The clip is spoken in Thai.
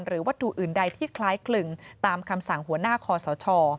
วัตถุอื่นใดที่คล้ายคลึงตามคำสั่งหัวหน้าคอสช